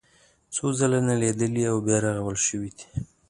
څو ځله نړېدلي او بیا رغول شوي دي.